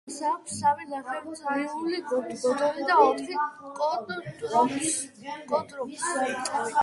მას აქვს სამი ნახევარწრიული გოდოლი და ოთხი კონტრფორსი.